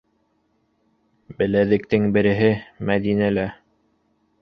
Беләҙектең береһе - Мәҙинәлә.